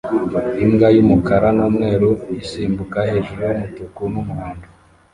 imbwa yumukara numweru isimbuka hejuru yumutuku numuhondo